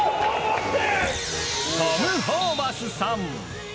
トム・ホーバスさん。